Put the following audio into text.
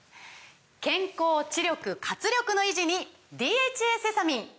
健康・知力・活力の維持に「ＤＨＡセサミン」！